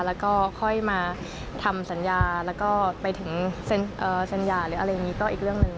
แล้วก็ค่อยมาทำสัญญาแล้วก็ไปถึงสัญญาอะไรก็อีกเรื่องหนึ่ง